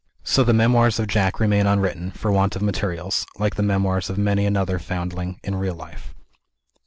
So the memoirs of Jack remain unwritten, for want of materials like the memoirs of many another foundling, in real life.